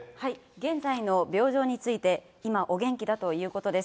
現在の病状について、今、お元気だということです。